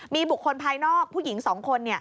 มีบุคคลภายนอกผู้หญิง๒คน